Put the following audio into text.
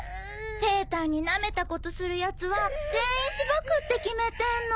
ペーたんになめたことするやつは全員しばくって決めてんの。